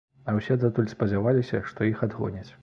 А ўсе датуль спадзяваліся, што іх адгоняць.